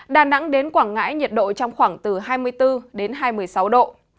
đan nẵng đến quảng ngãi nhiệt độ trong khoảng từ hai mươi bốn hai mươi sáu độ